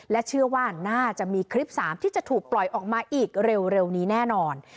เชื่อว่าน่าจะมีคลิป๓ที่จะถูกปล่อยออกมาอีกเร็วนี้แน่นอน